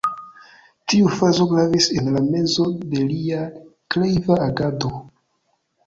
Tiu fazo gravis en la mezo de lia kreiva agado.